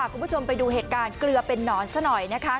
คุณผู้ชมไปดูเหตุการณ์เกลือเป็นนอนซะหน่อยนะคะ